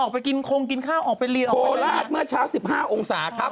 ออกไปกินของกินข้าวออกไปเลียนคอลาทเมื่อเช้า๑๕องศาคับ